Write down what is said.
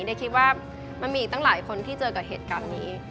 ได้คิดว่ามันมีอีกตั้งหลายคนที่เจอกับเหตุการณ์นี้